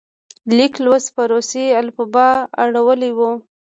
لیک لوست په روسي الفبا اړولی وو.